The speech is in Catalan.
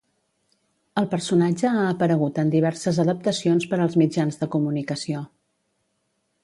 El personatge ha aparegut en diverses adaptacions per als mitjans de comunicació.